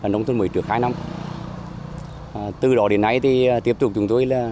năm hai nghìn một mươi năm lên